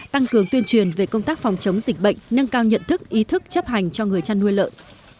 tăng cường tuyên truyền về công tác phòng chống dịch bệnh nâng cao nhận thức ý thức chấp hành cho người chăn nuôi lợn